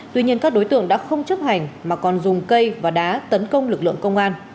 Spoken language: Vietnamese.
tuy nhiên các đối tượng đã không chấp hành mà còn dùng cây và đá tấn công lực lượng công an